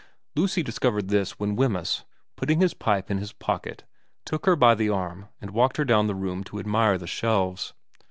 Lucy discovered this when Wemyss, putting his pipe in his pocket, took her by the arm and walked her down the room to admire the shelves.